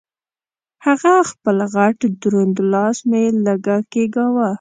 هغه خپل غټ دروند لاس مې لږه کېګاږه.